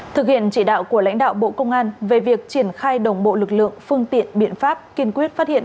thực hiện chỉ đạo của lãnh đạo bộ công an về việc triển khai đồng bộ lực lượng phương tiện biện pháp kiên quyết phát hiện